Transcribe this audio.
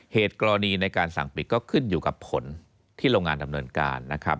เหตุกรณีในการสั่งปิดก็ขึ้นอยู่กับผลที่โรงงานดำเนินการนะครับ